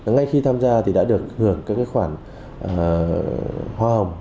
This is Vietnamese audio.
ngay khi tham gia thì đã được hưởng các khoản hoa hồng